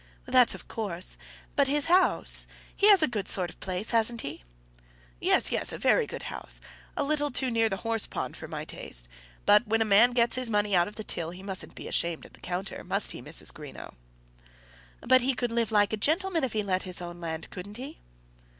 "That's of course. But his house; he has a good sort of place, hasn't he?" "Yes, yes; a very good house; a little too near to the horse pond for my taste. But when a man gets his money out of the till, he mustn't be ashamed of the counter; must he, Mrs. Greenow?" "But he could live like a gentleman if he let his own land, couldn't he?"